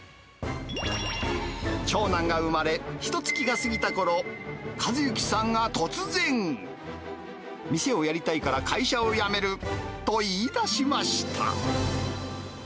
長男が産まれ、ひとつきが過ぎたころ、和幸さんが突然。店をやりたいから会社を辞めると言い出しました。